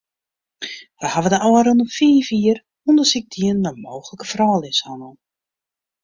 Wy hawwe de ôfrûne fiif jier ûndersyk dien nei mooglike frouljushannel.